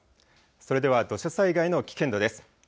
それでは土砂災害の危険度です。